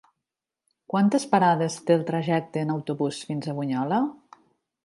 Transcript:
Quantes parades té el trajecte en autobús fins a Bunyola?